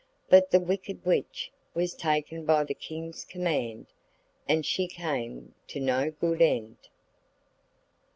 But the wicked witch was taken by the King's command, and she came to no good end.